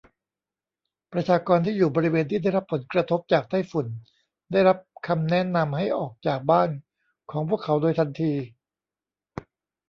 ประชากรที่อยู่บริเวณที่ได้รับผลกระทบจากไต้ฝุ่น ได้รับคำแนะนำให้ออกจากบ้านของพวกเขาโดยทันที